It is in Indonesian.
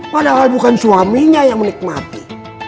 padahal bukan suaminya yang menikmati